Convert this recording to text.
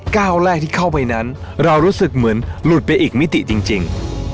ก้าวแรกที่เข้าไปนั้นเรารู้สึกเหมือนหลุดไปอีกมิติจริง